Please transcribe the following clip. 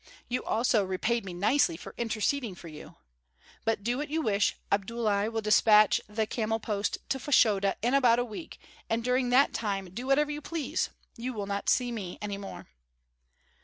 You also repaid me nicely for interceding for you. But do what you wish, Abdullahi will despatch the camel post to Fashoda in about a week and during that time do whatever you please! You will not see me any more!"